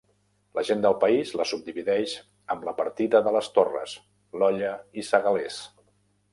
La gent del país la subdivideix amb la partida de les Torres, l'Olla i Segalers.